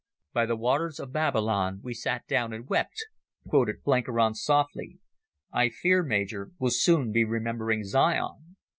"By the waters of Babylon we sat down and wept," quoted Blenkiron softly. "I fear, Major, we'll soon be remembering Zion."